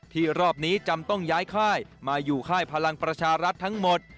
รอบนี้จำต้องย้ายค่ายมาอยู่ค่ายพลังประชารัฐทั้งหมด